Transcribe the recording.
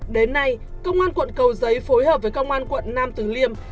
đến nay công an quận cầu giấy phối hợp với công an quận nam tử liêm